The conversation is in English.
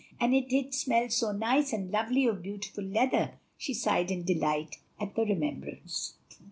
And it did smell so nice and lovely of beautiful leather;" she sighed in delight at the remembrance.